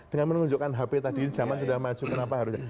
dengan menunjukkan hp tadi zaman sudah maju kenapa harus